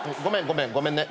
ごめんねごめんね。